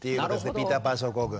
ピーターパン症候群。